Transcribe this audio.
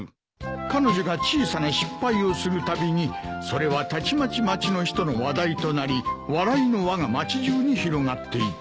「彼女が小さな失敗をするたびにそれはたちまち町の人の話題となり笑いの輪が町じゅうに広がっていく」